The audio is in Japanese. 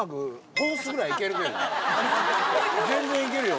全然いけるよ